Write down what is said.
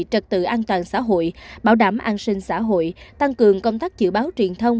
trật tự an toàn xã hội bảo đảm an sinh xã hội tăng cường công tác dự báo truyền thông